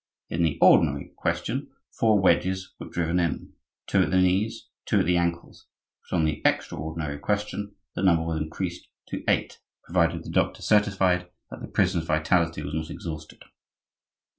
In the "ordinary question" four wedges were driven in,—two at the knees, two at the ankles; but in the "extraordinary question" the number was increased to eight, provided the doctor certified that the prisoner's vitality was not exhausted.